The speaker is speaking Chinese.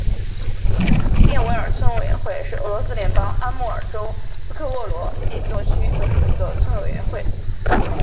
涅韦尔村委员会是俄罗斯联邦阿穆尔州斯科沃罗季诺区所属的一个村委员会。